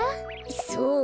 そう？